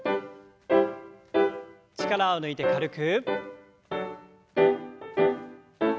力を抜いて軽く。